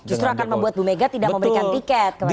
justru akan membuat bumega tidak memberikan tiket kepada